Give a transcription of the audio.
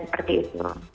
ya seperti itu